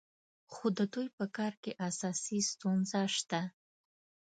خو د دوی په کار کې اساسي ستونزه شته.